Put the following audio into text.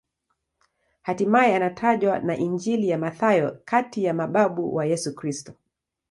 Hatimaye anatajwa na Injili ya Mathayo kati ya mababu wa Yesu Kristo.